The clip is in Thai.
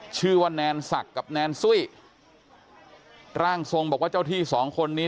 ชื่อว่าแนนสักกับแนนสุ้ยร่างทรงบอกว่าเจ้าที่สองคนนี้